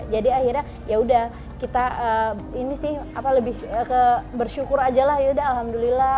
jadi akhirnya ya udah kita ini sih apa lebih bersyukur aja lah ya udah alhamdulillah